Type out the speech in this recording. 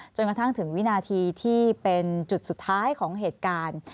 จนกระทั่งถึงวินาทีที่เป็นจุดสุดท้ายของเหตุการณ์